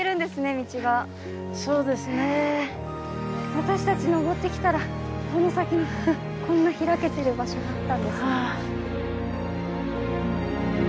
私たち登ってきたらその先にこんな開けてる場所があったんですね。